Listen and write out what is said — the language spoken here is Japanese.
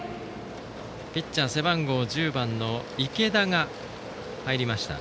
ピッチャー、背番号１０番の池田が入りました。